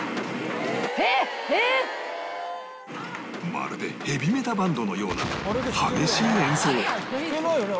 まるでヘビメタバンドのような激しい演奏弾けないよね？